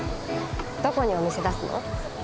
どこにお店出すの？